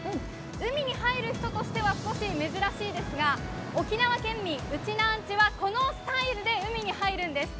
海に入る人としては少し珍しいですが、沖縄県民、うちなんちゅはこのスタイルで海に入るんです。